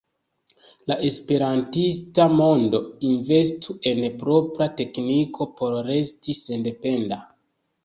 La esperantista mondo investu en propra tekniko por resti sendependa.